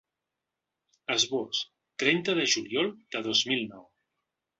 Esbós: trenta de juliol de dos mil nou.